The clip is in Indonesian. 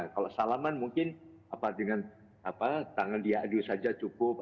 kalau salaman mungkin dengan tangan diadu saja cukup